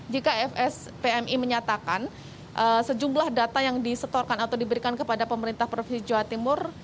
jika fspmi menyatakan sejumlah data yang disetorkan atau diberikan kepada pemerintah provinsi jawa timur